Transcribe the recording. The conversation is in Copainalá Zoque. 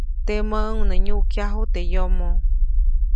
Temäʼuŋ nä nyuʼkyaju teʼ yomo.